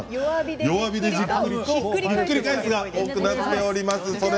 弱火でじっくりとひっくり返すが多くなっています。